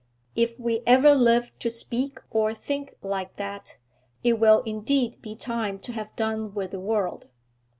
If we ever live to speak or think like that, it will indeed be time to have done with the world.